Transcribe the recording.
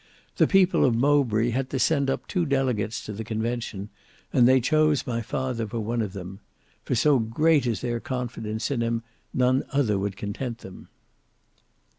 The people of Mowbray had to send up two delegates to the Convention, and they chose my father for one of them. For so great is their confidence in him none other would content them."